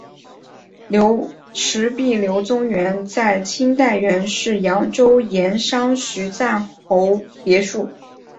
石壁流淙园在清代原是扬州盐商徐赞侯别墅。